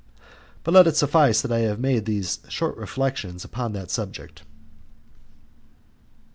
But let it suffice that I have made these short reflections upon that subject. 6.